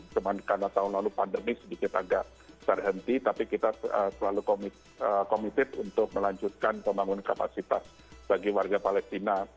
karena tahun lalu pandemi sedikit agak terhenti tapi kita selalu komited untuk melanjutkan pembangun kapasitas bagi warga palestina